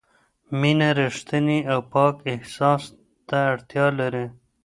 مینه رښتیني او پاک احساس ته اړتیا لري.